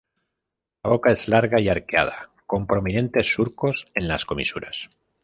La boca es larga y arqueada, con prominentes surcos en las comisuras.